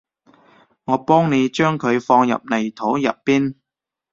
我幫你將佢放入泥土入邊